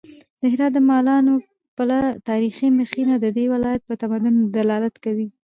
د هرات د مالان پله تاریخي مخینه د دې ولایت په تمدن دلالت کوي.